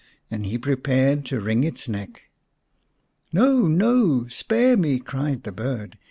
And he prepared to wring its neck. " No, no ! Spare me !" cried the bird.